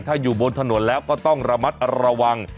ถ้าอยู่บนถนนแล้วก็ต้องระมัดระวัง